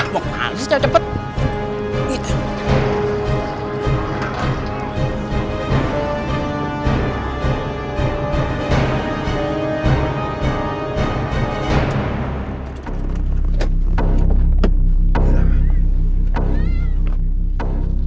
mau kemana sih cepet cepet